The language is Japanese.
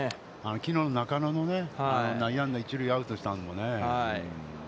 きのうの中野の内野安打、一塁アウトにしたのもね。